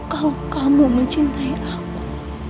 kalau kamu mencintai aku